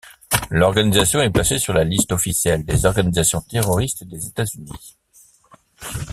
L'organisation est placée sur la liste officielle des organisations terroristes des États-Unis.